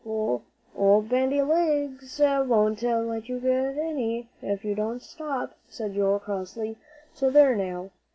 "Well, old Bandy Legs won't let you get any, if you don't stop," said Joel, crossly, "so there now!"